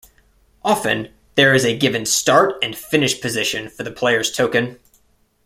Often there is a given start and finish position for the player's token.